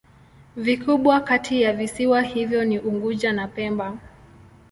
Vikubwa kati ya visiwa hivyo ni Unguja na Pemba.